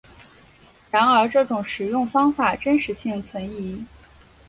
然而这种食用方法真实性存疑。